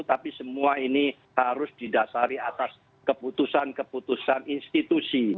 tapi semua ini harus didasari atas keputusan keputusan institusi